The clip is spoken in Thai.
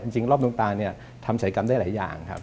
จริงรอบดวงตาเนี่ยทำศัยกรรมได้หลายอย่างครับ